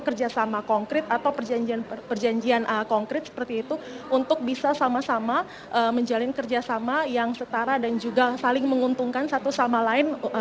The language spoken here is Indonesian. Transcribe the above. kerjasama konkret atau perjanjian konkret seperti itu untuk bisa sama sama menjalin kerjasama yang setara dan juga saling menguntungkan satu sama lain